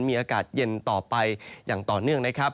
มีอากาศเย็นต่อไปอย่างต่อเนื่องนะครับ